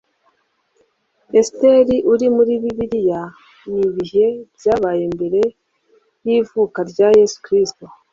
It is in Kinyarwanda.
Esiteri uri muri Bibiliya ni ibihe byabaye mbere y'ivuka rya Yesu Kristo